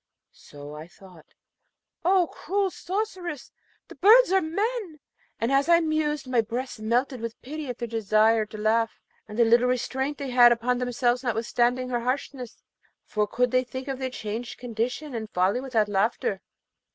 So I thought, 'Oh, cruel sorceress! the birds are men!' And as I mused, my breast melted with pity at their desire to laugh, and the little restraint they had upon themselves notwithstanding her harshness; for could they think of their changed condition and folly without laughter?